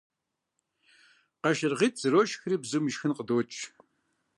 КъашыргъитӀ зэрошхри бзум ишхын къыдокӀ.